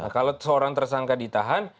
kalau seseorang tersangka ditahan